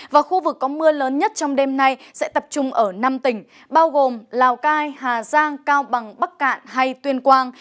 và khu vực có mưa lớn nhất trong đêm nay sẽ tập trung ở năm tỉnh bao gồm lào cai hà giang cao bằng bắc cạn hay tuyên quang